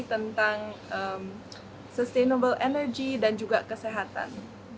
jadi tentang sustainable energy dan juga kesehatan